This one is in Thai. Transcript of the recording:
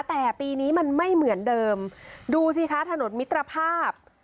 แต่ปีนี้มันไม่เหมือนเดิมดูสิคะถนนมิตรภาพ